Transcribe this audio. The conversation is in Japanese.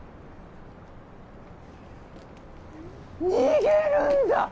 逃げるんだ！